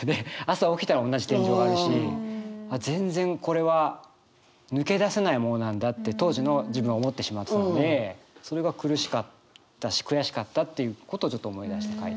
朝起きたら同じ天井があるし全然これは抜け出せないものなんだって当時の自分は思ってしまってたのでそれが苦しかったし悔しかったっていうことをちょっと思い出して書いた。